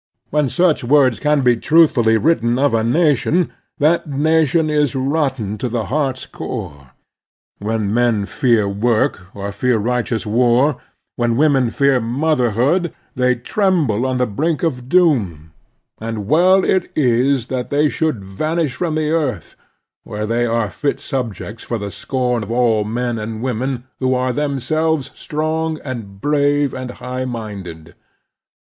When such words can be truthfully written of a nation, that nation is rotten to the heart's core. When 'men fear work or fear righteous war, when women fear motherhood, they tremble on the brink of doom ; and well it is that they should vanish from the earth, where they are fit subjects for the scorn of all men and women who are themselves strong and brave and high minded.